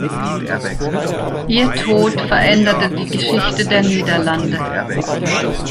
Ihr Tod veränderte die Geschichte der Niederlande.